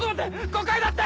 誤解だって！